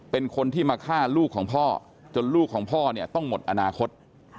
เป็นคนที่มาฆ่าลูกของพ่อจนลูกของพ่อเนี่ยต้องหมดอนาคต